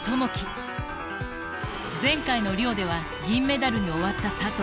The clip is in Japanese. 前回のリオでは銀メダルに終わった佐藤。